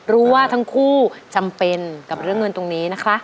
รู้ว่าทั้งคู่จำเป็นกับเรื่องเงินตรงนี้นะคะ